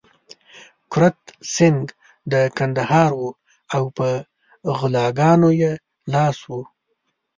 کرت سېنګ د کندهار وو او په غلاګانو يې لاس و.